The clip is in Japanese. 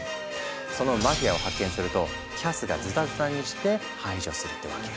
そのマフィアを発見するとキャスがズタズタにして排除するってわけ。